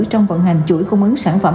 trong vận hành chuỗi khung ứng sản phẩm